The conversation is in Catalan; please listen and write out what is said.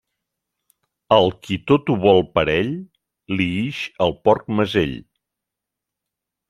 Al qui tot ho vol per a ell, li ix el porc mesell.